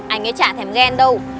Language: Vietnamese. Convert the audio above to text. anh ấy chả thèm ghen đâu